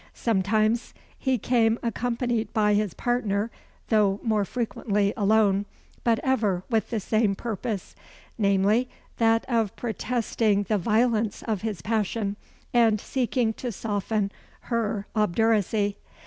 Sometimes, he came accompanied by his partner, though more frequently alone, but ever with the same purpose, namely, that of protesting the violence of his passion, and seeking to soften her obduracy.